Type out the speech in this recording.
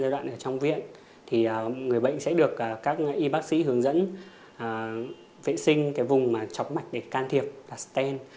giai đoạn ở trong viện thì người bệnh sẽ được các y bác sĩ hướng dẫn vệ sinh vùng chọc mạch để can thiệp stent